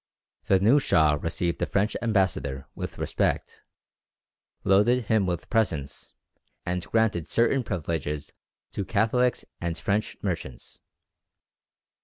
The new shah received the French ambassador with respect, loaded him with presents, and granted certain privileges to Catholics and French merchants.